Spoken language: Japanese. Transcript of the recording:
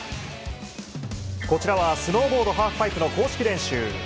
こちらはスノーボードハーフパイプの公式練習。